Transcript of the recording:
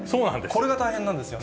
これが大変なんですよね。